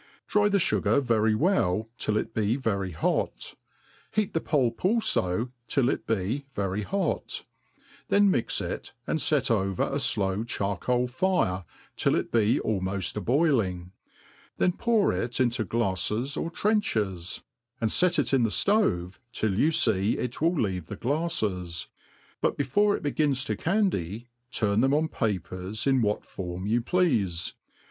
Dry the fugar very well till it be very hot } heat the pulp alfo till it be very hot; then mix it, and fet over a flow charcoal fire, till it be almoft a boiling, then pour it into glaflfea A a4 01 36o APPENDIX TO THE ART OF CP0KEi|.V. or trenchers, and fet it in the dove till you fee it will leave th^ glafles i but before it begins to candy, turn them oo papery in what fdrm you pleafe.